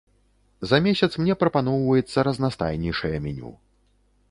За месяц мне прапаноўваецца разнастайнейшае меню.